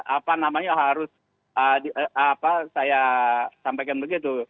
apa namanya harus saya sampaikan begitu